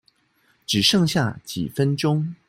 只剩下幾分鐘